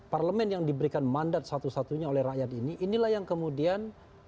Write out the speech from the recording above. parlemen yang diberikan mandat satu satunya oleh rakyat ini inilah yang kemudian